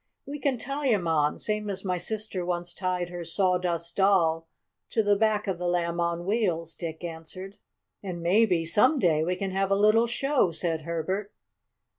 "We can tie him on, same as my sister once tied her Sawdust Doll to the back of the Lamb on Wheels," Dick answered. "And maybe, some day, we can have a little show," said Herbert.